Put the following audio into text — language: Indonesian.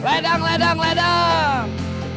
ledang ledang ledang